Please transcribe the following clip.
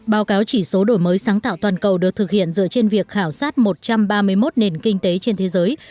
báo cáo chỉ số đổi mới sáng tạo toàn cầu được thực hiện dựa trên việc khảo sát một trăm ba mươi một nền kinh tế trên thế giới